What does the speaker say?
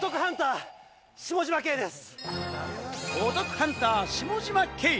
お得ハンター・下嶋兄。